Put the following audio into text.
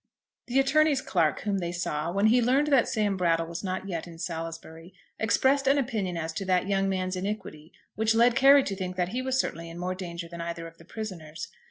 The attorney's clerk whom they saw, when he learned that Sam Brattle was not yet in Salisbury, expressed an opinion as to that young man's iniquity which led Carry to think that he was certainly in more danger than either of the prisoners.